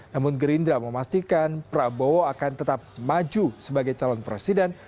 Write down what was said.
namun gerindra memastikan prabowo akan tetap maju sebagai calon presiden